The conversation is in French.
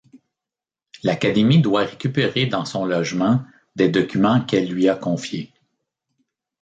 L'Académie doit récupérer dans son logement des documents qu'elle lui a confiés.